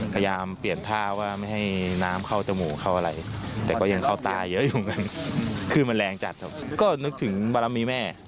พยายามเปลี่ยนท่าว่าไม่ให้น้ำเข้าตมูก้าวอะไรแต่ก็ยังเข้าตายเยอะอยู่คือมันแรงจะต้องก็นึกถึงวรรมามิแม่